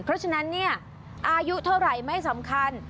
เพราะฉะนั้นเนี่ยอายุเท่าไหร่ไม่สำคัญ